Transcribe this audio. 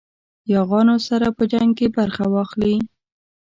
یاغیانو سره په جنګ کې برخه واخلي.